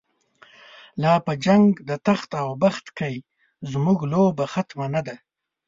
لاپه جنګ دتخت اوبخت کی، زموږ لوبه ختمه نه ده